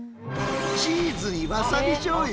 チーズにわさびじょうゆ？